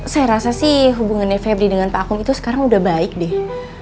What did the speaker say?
saya rasa sih hubungannya febri dengan pak akung itu sekarang udah baik deh